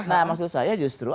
nah maksud saya justru